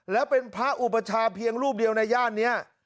แล้วเป็นพระอุปชาเพียงรูปเดียวในย่านนี้